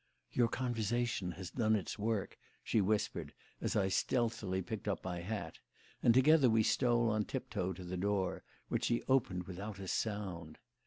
"Your conversation has done its work," she whispered as I stealthily picked up my hat, and together we stole on tiptoe to the door, which she opened without a sound.